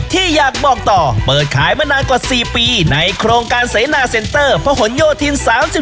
ที่อยากบอกต่อเปิดขายมานานกว่า๔ปีในโครงการเสนาเซ็นเตอร์พระหลโยธิน๓๔